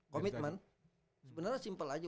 komitmen sebenarnya simpel aja